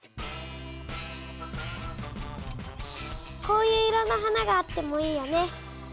こういう色の花があってもいいよね。